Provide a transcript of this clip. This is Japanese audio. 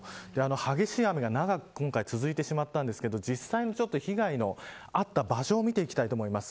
激しい雨が長く今回続いてしまったんですけど実際の被害のあった場所を見ていきたいと思います。